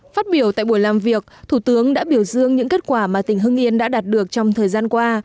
phát biểu tại buổi làm việc thủ tướng đã biểu dương những kết quả mà tỉnh hưng yên đã đạt được trong thời gian qua